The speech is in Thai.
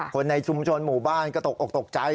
คนในชุมชนหมู่บ้านก็ตกออกตกใจ